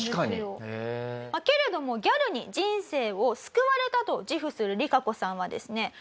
けれどもギャルに人生を救われたと自負するリカコさんはですね